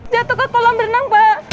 jatuh ke kolam renang pak